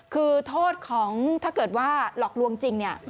คือโทษของถ้าเกิดว่าหลอกลวงจริงเนี่ย